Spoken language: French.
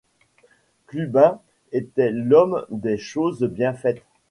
Clubin était l’homme des choses bien faites.